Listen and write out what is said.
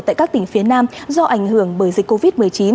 tại phía nam do ảnh hưởng bởi dịch covid một mươi chín